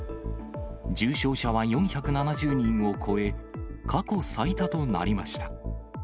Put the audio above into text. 重症者は４７０人を超え、過去最多となりました。